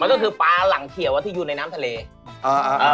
มันก็คือปลาหลั่งเขี่ยวที่อยู่ในน้ำทะเล